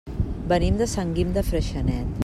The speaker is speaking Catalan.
Venim de Sant Guim de Freixenet.